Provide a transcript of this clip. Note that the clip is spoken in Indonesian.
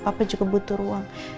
papa juga butuh ruang